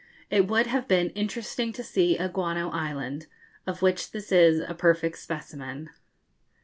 It would have been interesting to see a guano island, of which this is a perfect specimen.